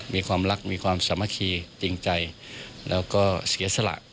มีความรักมีความสามัคคีจริงใจแล้วก็เสียสละ